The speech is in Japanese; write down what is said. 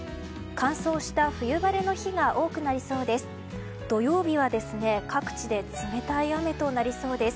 乾燥した冬晴れの日が多くなりそうです。